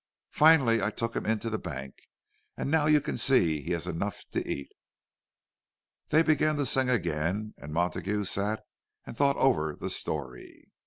"Finally I took him into the bank—and now you can see he has enough to eat!" They began to sing again, and Montague sat and thought over the story.